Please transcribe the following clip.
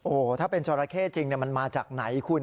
โอ้โหถ้าเป็นจราเข้จริงมันมาจากไหนคุณ